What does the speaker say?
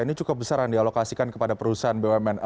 ini cukup besar yang dialokasikan kepada perusahaan bumn